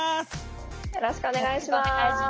よろしくお願いします。